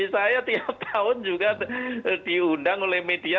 saya tiap tahun juga diundang oleh media